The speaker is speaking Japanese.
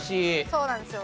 そうなんですよ。